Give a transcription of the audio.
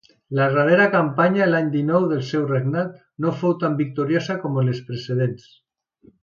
La darrera campanya, l'any dinou del seu regnat, no fou tan victoriosa com les precedents.